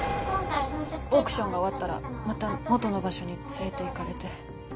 オークションが終わったらまた元の場所に連れていかれて。